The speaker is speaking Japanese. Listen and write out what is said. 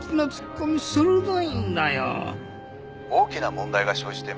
「大きな問題が生じていますね」